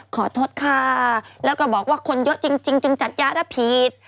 ขอโทษค่ะแล้วก็บอกว่าคนเยอะจริงจึงจัดยารับผิด